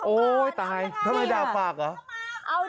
โอ๊ยตายทำไมด่าฝากเหรอ